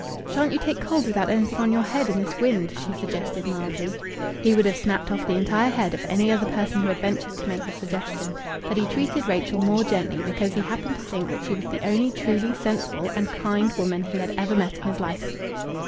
"Shan't you take cold without anything on your head in this wind?" she suggested mildly. He would have snapped off the entire head of any other person who had ventured to make the suggestion. But he treated Rachel more gently because he happened to think that she was the only truly sensible and kind woman he had ever met in his life.